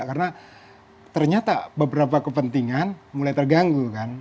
karena ternyata beberapa kepentingan mulai terganggu